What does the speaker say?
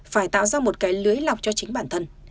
phải tạo ra một cái lưới lọc cho chính bản thân